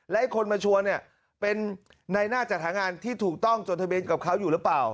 และคนมาชวนเนี่ยเป็นในหน้าจัดหางานที่ถูกต้องจดทะเบียนกับเขาอยู่หรือเปล่า